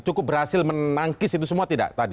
cukup berhasil menangkis itu semua tidak tadi